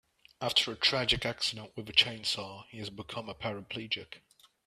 After a tragic accident with a chainsaw he has become a paraplegic.